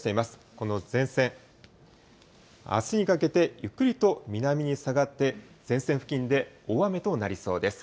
この前線、あすにかけてゆっくりと南に下がって、前線付近で大雨となりそうです。